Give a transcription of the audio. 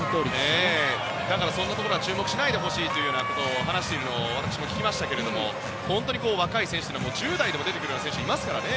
だから、そんなところは注目しないでほしいと話しているのを私も聞きましたけども本当に若い選手というのは１０代でも出てくる選手がいますからね。